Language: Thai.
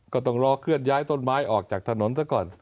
ก็ต้องรอเคลื่อนย้ายต้นไม้ออกจากถนนซะก่อน